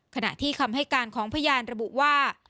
ขณะที่คำให้การของพยานระบุว่า